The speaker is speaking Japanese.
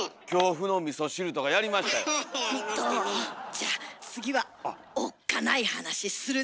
じゃ次は「おっかない話」するね。